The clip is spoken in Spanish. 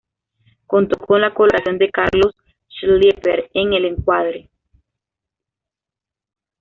Contó con la colaboración de Carlos Schlieper en el encuadre.